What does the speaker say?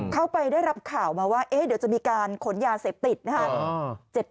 เขาไปได้รับข่าวมาว่าเดี๋ยวจะมีการขนยาเสพติดนะครับ